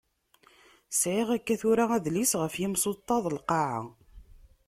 Sεiɣ akka tura adlis ɣef yimsuṭṭaḍ n lqaεa.